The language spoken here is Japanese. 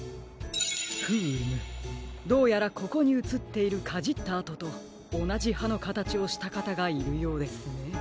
フームどうやらここにうつっているかじったあととおなじはのかたちをしたかたがいるようですね。